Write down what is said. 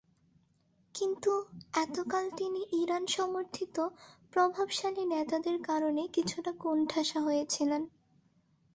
কিন্তু এতকাল তিনি ইরান সমর্থিত প্রভাবশালী নেতাদের কারণে কিছুটা কোণঠাসা হয়ে ছিলেন।